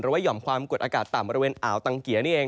หย่อมความกดอากาศต่ำบริเวณอ่าวตังเกียร์นี่เอง